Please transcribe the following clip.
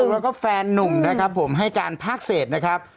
แล้วก็แฟนนุ่มนะครับผมให้การภาคเศษนะครับ